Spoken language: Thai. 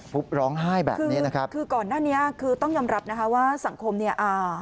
ร้องไห้แบบนี้นะครับคือก่อนหน้านี้คือต้องยอมรับนะคะว่าสังคมเนี่ยอ่า